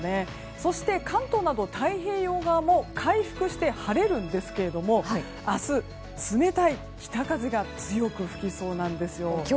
そして関東など太平洋側も回復して晴れるんですけど明日、冷たい北風が強く吹きそうなんですよ。